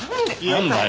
なんだよ？